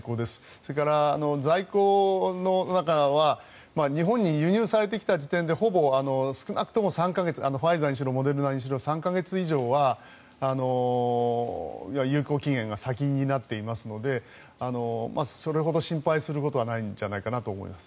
それから、在庫の中は日本に輸入されてきた時点でほぼ少なくとも３か月ファイザーにしろモデルナにしろ３か月以上は有効期限が先になっていますのでそれほど心配することはないんじゃないかなと思います。